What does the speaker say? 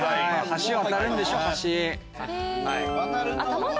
橋渡るんでしょ橋。